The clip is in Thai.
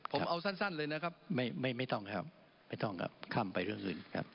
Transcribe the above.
ผมเอาสั้นเลยนะครับไม่ต้องครับข้ามไปเรื่องสุด